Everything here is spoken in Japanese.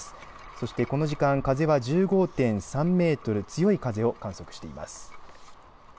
そして、この時間、風は１５．３メートルの強い風を観測しています。